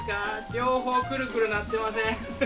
両方くるくるなってません？